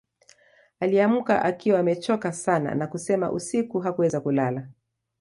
Aliamka akiwa amechoka sana na kusema usiku hakuweza kulala